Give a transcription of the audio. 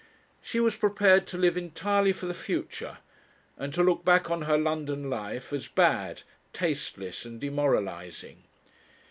She was prepared to live entirely for the future, and to look back on her London life as bad, tasteless, and demoralizing.